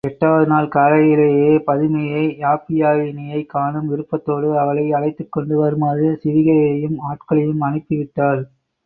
எட்டாவது நாள் காலையில் பதுமையே யாப்பியாயினியைக் காணும் விருப்பத்தோடு அவளை அழைத்துக் கொண்டு வருமாறு சிவிகையையும் ஆட்களையும் அனுப்பிவிட்டாள்.